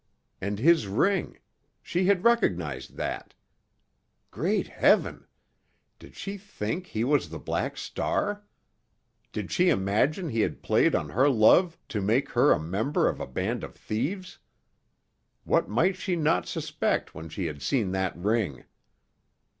And his ring—she had recognized that! Great Heaven! Did she think he was the Black Star? Did she imagine he had played on her love to make her a member of a band of thieves? What might she not suspect, when she had seen that ring?